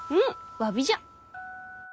詫びじゃ。